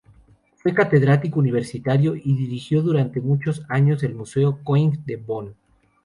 Fue catedrático universitario y dirigió durante muchos años el Museo Koenig de Bonn.